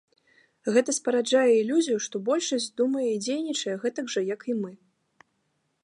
Гэта спараджае ілюзію, што большасць думае і дзейнічае гэтак жа, як і мы.